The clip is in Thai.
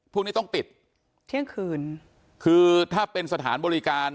พรุ่งนี้ต้องปิดเที่ยงคืนคือถ้าเป็นสถานบริการ